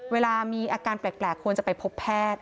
เวลามีอาการแปลกควรจะไปพบแพทย์